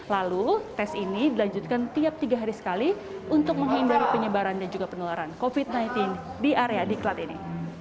lalu tes ini dilanjutkan tiap tiga hari sekali untuk menghindari penyebaran dan juga penularan covid sembilan belas di area diklat ini